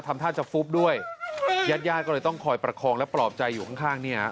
ทำท่าจะฟุบด้วยญาติญาติก็เลยต้องคอยประคองและปลอบใจอยู่ข้างข้างเนี่ย